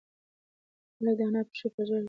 هلک د انا پښې په ژړا کې نیولې وې.